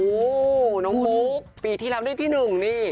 โอ้โหน้องฟุ๊กปีที่แล้วได้ที่๑นี่